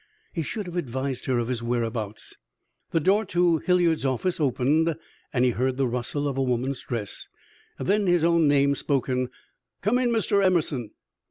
He should have advised her of his whereabouts. The door to Hilliard's office opened, and he heard the rustle of a woman's dress; then his own name spoken "Come in, Mr. Emerson."